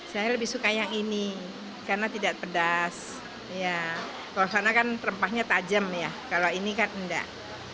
saya lebih suka yang ini karena tidak pedas kalau sana kan rempahnya tajam ya kalau ini kan enggak